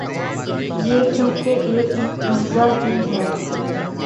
یہ چونکہ ایک مفروضہ ہی ہے۔